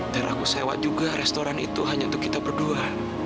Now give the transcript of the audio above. dan aku sewa juga restoran itu hanya untuk kita berdua